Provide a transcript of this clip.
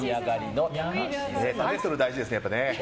タイトル大事ですね。